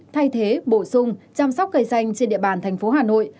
thay thế bổ sung chăm sóc cây xanh trên địa bàn tp hà nội